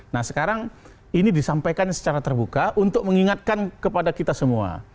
nah sekarang ini disampaikan secara terbuka untuk mengingatkan kepada kita semua